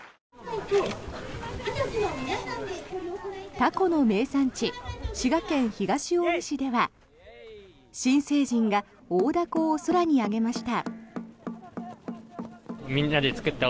凧の名産地、滋賀県東近江市では新成人が大凧を空に上げました。